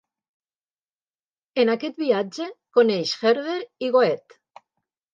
En aquest viatge coneix Herder i Goethe.